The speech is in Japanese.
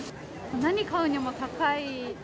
何買うにも高い。